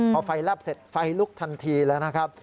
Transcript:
พอไฟแลบเสร็จไฟลุกทันทีแล้วนะครับ